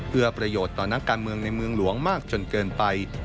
เพื่อประโยชน์ต่อนักการเมืองในเมืองหลวงมากจนเกินไป